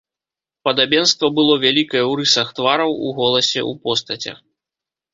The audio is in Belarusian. Падабенства было вялікае ў рысах твараў, у голасе, у постацях.